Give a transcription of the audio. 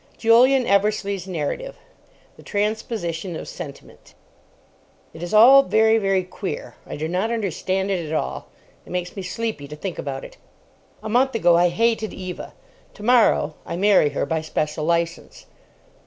Julian Eversleigh's Narrative CHAPTER 21 THE TRANSPOSITION OF SENTIMENT It is all very, very queer. I do not understand it at all. It makes me sleepy to think about it. A month ago I hated Eva. Tomorrow I marry her by special licence.